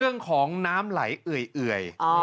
เรื่องของน้ำไหลเอื่อย